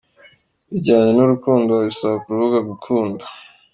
bijyanye n'urukundo wabisanga ku rubuga Gukunda.